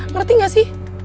ngerti gak sih